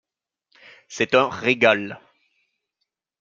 C’est un régal !